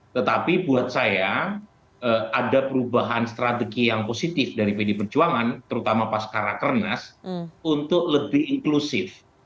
tetapi buat saya ada perubahan strategi yang positif dari pd perjuangan terutama pas karakernas untuk lebih inklusif